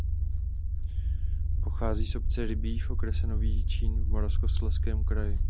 Pochází z obce Rybí v okrese Nový Jičín v Moravskoslezském kraji.